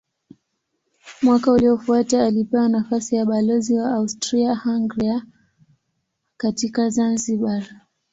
Mwaka uliofuata alipewa nafasi ya balozi wa Austria-Hungaria katika Zanzibar.